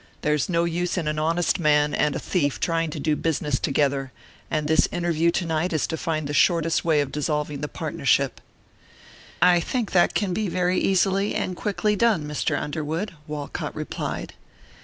There's no use in an honest man and a thief trying to do business together, and this interview to night is to find the shortest way of dissolving the partnership." "I think that can be very easily and quickly done, Mr. Underwood," Walcott replied.